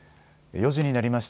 ４時になりました。